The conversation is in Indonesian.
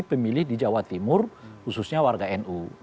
pemilih di jawa timur khususnya warga nu